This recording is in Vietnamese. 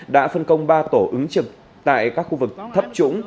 đã phân công ba tổ ứng trực tại các khu vực thấp trũng